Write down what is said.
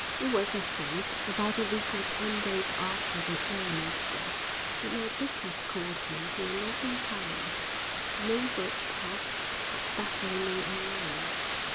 It was, I think, about a week or ten days after the airman's death that my business called me to a northern town, the name of which, perhaps, had better remain unknown.